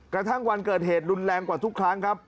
กระทั่งวันเกิดเหตุรุนแรงกว่าทุกครั้งครับ